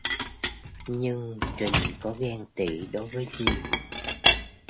Nhưng trình có ghen tị đối với Nhi